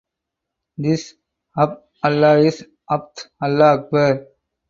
This Abd Allah is Abd Allah Akbar.